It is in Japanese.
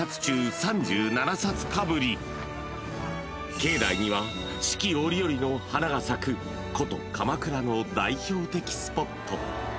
［境内には四季折々の花が咲く古都鎌倉の代表的スポット］